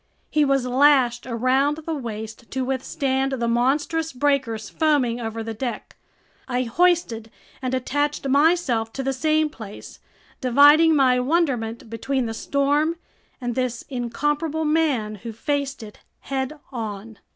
He was lashed around the waist to withstand the monstrous breakers foaming over the deck. I hoisted and attached myself to the same place, dividing my wonderment between the storm and this incomparable man who faced it head on.